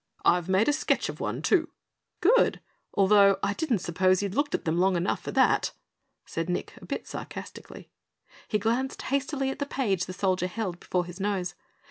"I've made a sketch of one, too." "Good! although I didn't suppose you'd looked at them long enough for that!" said Nick, a bit sarcastically. He glanced hastily at the page the soldier held before his nose.